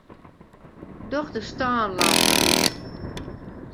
Doch de stânlampe út.